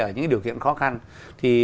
ở những điều kiện khó khăn thì